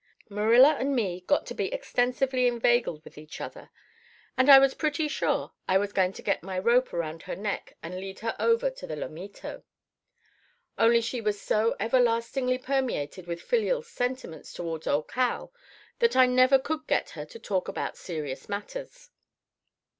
Marilla and me got to be extensively inveigled with each other, and I was pretty sure I was going to get my rope around her neck and lead her over to the Lomito. Only she was so everlastingly permeated with filial sentiments toward old Cal that I never could get her to talk about serious matters.